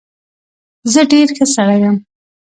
زه ډېر ښه سړى يم.